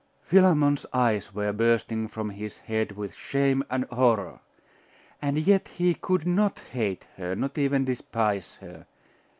Philammon's eyes were bursting from his head with shame and horror: and yet he could not hate her; not even despise her.